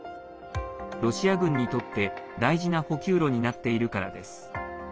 ロシア軍にとって大事な補給路になっているからです。